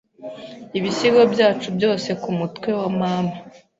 Ibisigo byacu byose kumutwe wa mama